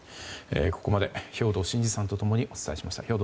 ここまで兵頭慎治さんと共にお伝えしました。